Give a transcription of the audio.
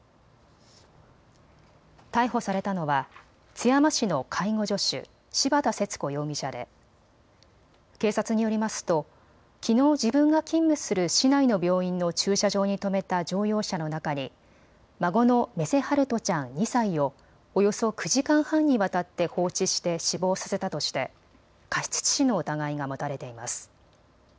逮捕されたのは津山市の介護助手、柴田節子容疑者で警察によりますとますときのう自分が勤務する市内の病院の駐車場に止めた乗用車の中に孫の目瀬陽翔ちゃん２歳をおよそ９時間半にわたって放置して死亡させたとして過失致死の疑いが持たれています。